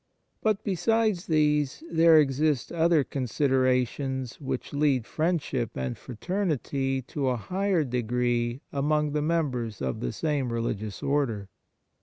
But, besides these, there exist other considerations which lead friend ship and fraternity to a higher degree among the members of the same religious Order.